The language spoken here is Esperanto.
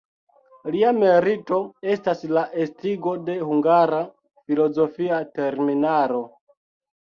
Lia merito estas la estigo de hungara filozofia terminaro.